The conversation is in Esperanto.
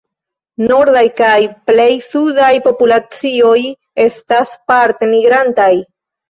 Nordaj kaj plej sudaj populacioj estas parte migrantaj.